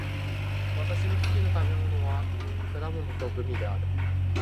私の好きな食べ物は果物とグミである。